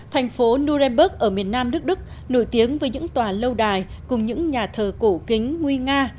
thành phố noremburg ở miền nam đức nổi tiếng với những tòa lâu đài cùng những nhà thờ cổ kính nguy nga